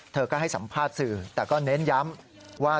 เธอก็ให้สัมภาษณ์สื่อแต่ก็เน้นย้ำว่า